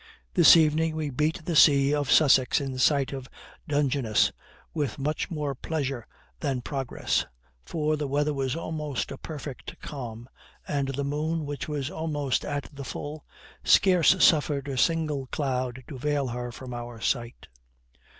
This evening we beat the sea of Sussex in sight of Dungeness, with much more pleasure than progress; for the weather was almost a perfect calm, and the moon, which was almost at the full, scarce suffered a single cloud to veil her from our sight.